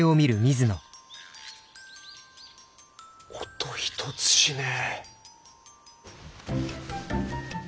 音一つしねえ。